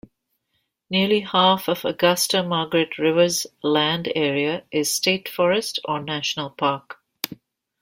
Nearly half of Augusta-Margaret River's land area is state forest or national park.